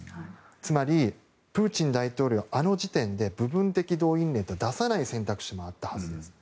つまり、プーチン大統領があの時点で部分的動員令を出さない選択肢もあったはずです。